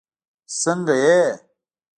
سنګه یی